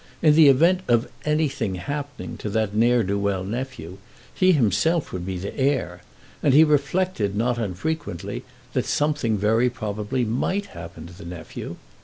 In the event of "anything happening" to that ne'er do well nephew, he himself would be the heir; and he reflected not unfrequently that something very probably might happen to the nephew.